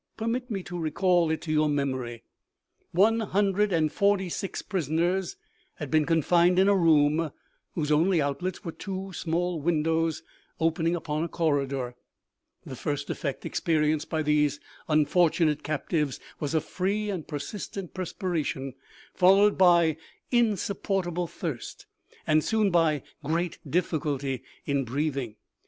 Permit me to recall it to your memory :" One hundred and forty six prisoners had been con fined in a room whose only outlets were two small win dows opening upon a corridor ; the first effect experienced by these unfortunate captives was a free and persistent perspiration, followed by insupportable thirst, and soon by great difficulty in breathing.